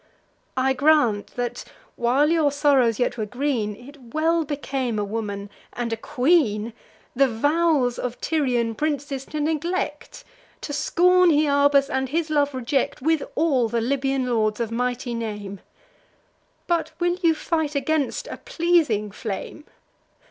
I grant that, while your sorrows yet were green, It well became a woman, and a queen, The vows of Tyrian princes to neglect, To scorn Hyarbas, and his love reject, With all the Libyan lords of mighty name; But will you fight against a pleasing flame!